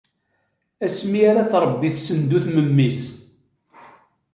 Asmi ara tṛebbi tsedunt memmi-s.